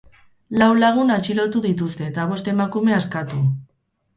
Lau lagun atxilotu dituzte eta bost emakume askatu.